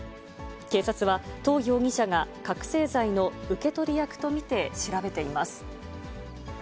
警察は、とう容疑者が覚醒剤の受け取り役と見て、調べています。